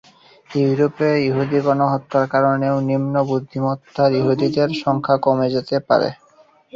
ইউরোপে ইহুদি গণহত্যার কারণেও নিম্ন বুদ্ধিমত্তার ইহুদিদের সংখ্যা কমে যেতে পারে।